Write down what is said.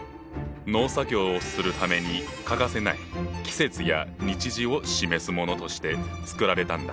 農作業をするために欠かせない季節や日時を示すものとして作られたんだ。